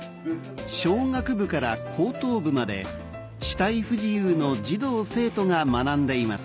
小学部から高等部まで肢体不自由の児童生徒が学んでいます